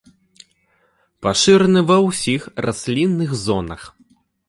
Пашыраны ва ўсіх раслінных зонах.